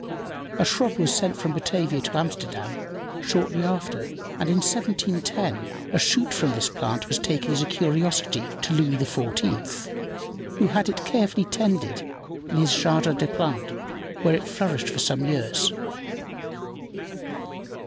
A shrub was sent from Batavia to Amsterdam shortly after, and in 1710 a shoot from this plant was taken as a curiosity to Louis XIV., who had it carefully tended in the Jardin des Plants, where it flourished for some years.